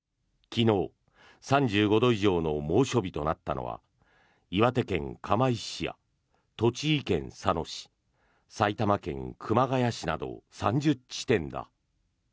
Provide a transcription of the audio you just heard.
昨日３５度以上の猛暑日となったのは岩手県釜石市や栃木県佐野市埼玉県熊谷市など３０地点だ。